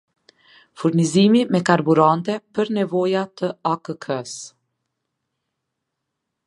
Furnizim me karburante për nevoja te akk-së